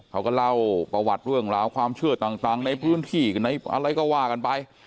เขาก็เล่าประวัติเรื่องราวความเชื่อต่างในพื้นที่อะไรก็ว่ากันไป